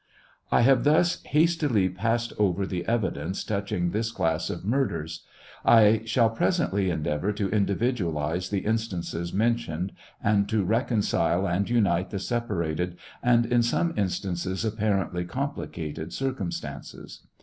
I have thus hastily passed over the evidence touching this class of murders. I shall presently endeavor to individualize the instances mentioned and to recon cile and unite the separated, and in some instances apparently complicated, cir cumstances.